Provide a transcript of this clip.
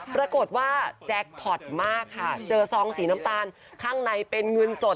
ปรากฏว่าแจ็คพอร์ตมากค่ะเจอซองสีน้ำตาลข้างในเป็นเงินสด